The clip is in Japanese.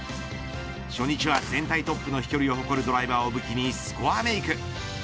初日は全体トップの飛距離を誇るドライバーを武器にスコアメーク。